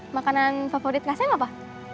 makanan favorit kak sam apa